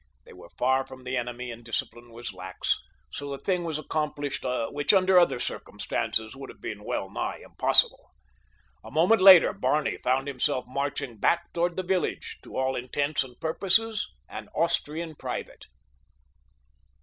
They were far from the enemy and discipline was lax, so the thing was accomplished which under other circumstances would have been well nigh impossible. A moment later Barney found himself marching back toward the village, to all intents and purposes an Austrian private.